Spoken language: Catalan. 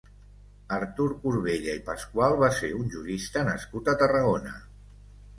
Artur Corbella i Pascual va ser un jurista nascut a Tarragona.